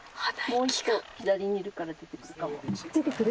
もう一頭左にいるから出てくるかも出てくる？